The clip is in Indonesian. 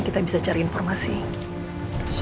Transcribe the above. ya agak suara orangnya